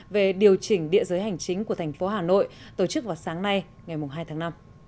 về điều chỉnh địa giới hành chính của thành phố hà nội tổ chức vào sáng nay ngày hai tháng năm